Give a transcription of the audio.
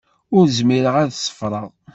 Ur zmireɣ ad ṣeffreɣ.